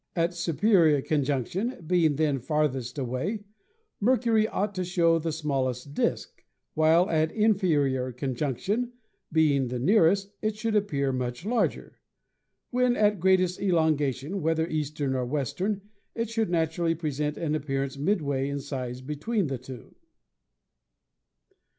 At superior conjunction, being then farthest away, Mercury ought to show the smallest disk; while at inferior conjunction, be ing the nearest, it should appear much larger. When at greatest elongation, whether eastern or western, it should naturally present an appearance midway in size between the two.